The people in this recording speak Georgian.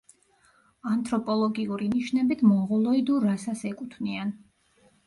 ანთროპოლოგიური ნიშნებით მონღოლოიდურ რასას ეკუთვნიან.